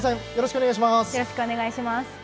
よろしくお願いします。